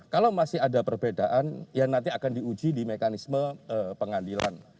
kalau masih ada perbedaan ya nanti akan diuji di mekanisme pengadilan